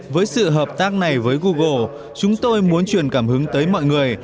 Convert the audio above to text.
với sự hợp tác này với google chúng tôi muốn truyền cảm hứng tới mọi người